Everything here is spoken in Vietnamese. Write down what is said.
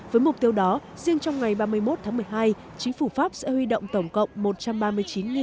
với mục tiêu đó riêng trong ngày ba mươi một tháng một mươi hai chính phủ pháp sẽ huy động tổng cộng